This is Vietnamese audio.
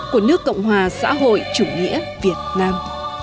của nước cộng hòa xã hội chủ nghĩa việt nam